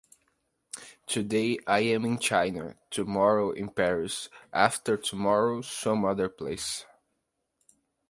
Today I am in China, tomorrow in Paris, after tomorrow some other place.